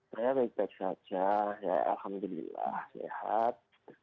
saya baik baik saja ya alhamdulillah sehat